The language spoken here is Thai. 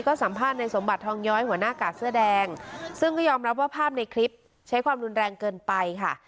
สัมภาษณ์ในสมบัติทองย้อยหัวหน้ากาดเสื้อแดงซึ่งก็ยอมรับว่าภาพในคลิปใช้ความรุนแรงเกินไปค่ะ